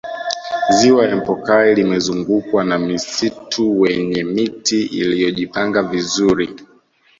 ziwa empokai limezungukwa na msitu wenye miti iliyojipanga vizuri